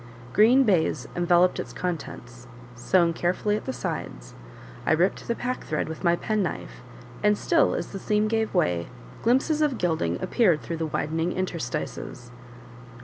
Green baize enveloped its contents, sewn carefully at the sides; I ripped the pack thread with my pen knife, and still, as the seam gave way, glimpses of gilding appeared through the widening interstices.